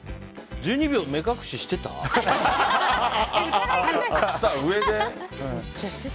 １２秒目隠ししてた？